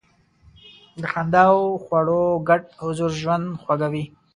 د خندا او خواړو ګډ حضور ژوند خوږوي.